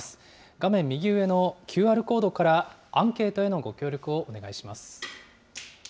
画面右上のＱＲコードからアンケートへのご協力をお願いします。